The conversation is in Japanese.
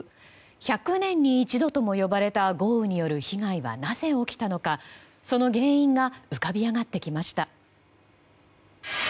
１００年に一度とも呼ばれた豪雨による被害はなぜ起きたのか、その原因が浮かび上がってきました。